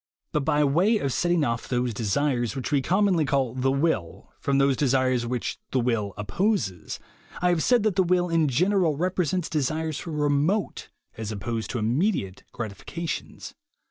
But by way of setting off those desires which we commonly call "the will" from those desires which "the will" opposes, I have said that the will, in general, represents desires for remote, as opposed to immediate, gratifications.